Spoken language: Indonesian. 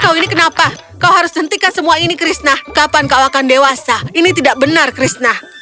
kau ini kenapa kau harus hentikan semua ini krishna kapan kau akan dewasa ini tidak benar krishna